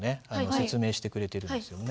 説明してくれてるんですよね。